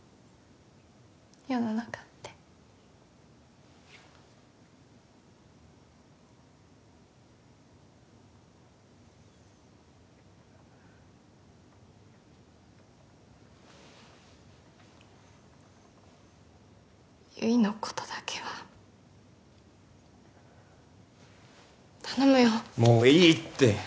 世の中って結のことだけは頼むよもういいって！